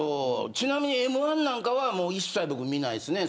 ちなみにＭ‐１なんかはもう一切、僕見ないですね。